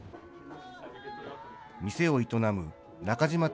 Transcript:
店を営む中島瞳